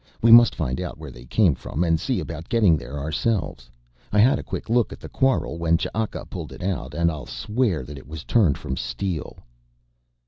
We must find out where they came from and see about getting there ourselves. I had a quick look at the quarrel when Ch'aka pulled it out, and I'll swear that it was turned from steel."